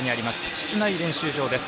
室内練習場です。